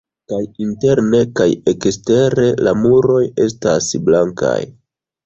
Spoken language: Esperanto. Kaj interne kaj ekstere la muroj estas blankaj.